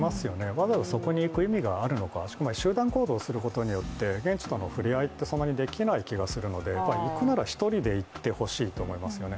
わざわざそこに行く意味があるのか、集団行動をすることによって、現地とのふれあいってそんなにできない気がするので、行くなら一人で行ってほしいと思いますよね